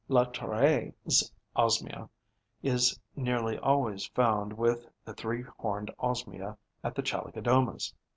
Latreille's Osmia is nearly always found with the Three horned Osmia at the Chalicodoma's.